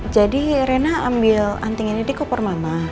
jadi rena ambil anting ini dikoper mama